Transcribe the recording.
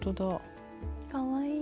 かわいい。